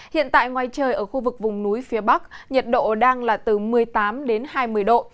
hiện tại ngoài trời ở khu vực vùng núi phía bắc nhiệt độ đang là từ một mươi tám đến hai mươi độ